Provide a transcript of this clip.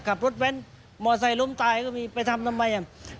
จับรถแว่นมอไซล์ล้มตายก็มีไปทำทำไม